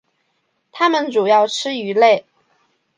它们主要吃鱼类。